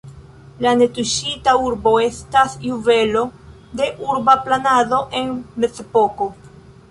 La netuŝita urbo estas juvelo de urba planado en mezepoko.